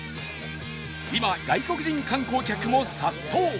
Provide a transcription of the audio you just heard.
今外国人観光客も殺到！